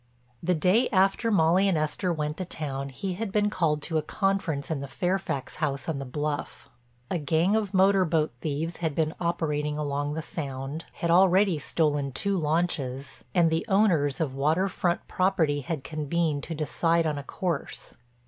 The day after Molly and Esther went to town he had been called to a conference in the Fairfax house on the bluff. A gang of motor boat thieves had been operating along the Sound, had already stolen two launches, and the owners of water front property had convened to decide on a course.